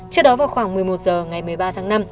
trước đó vào khoảng một mươi một h ngày một mươi ba tháng năm